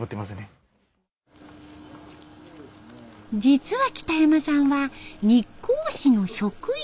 実は北山さんは日光市の職員。